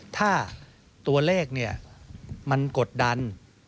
ถ้าตัวเลขมันกดดัน